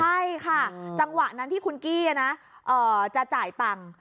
ใช่ค่ะจังหวะนั้นที่คุณกี้จะจ่ายตังค์